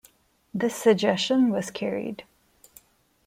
This suggestion was carried.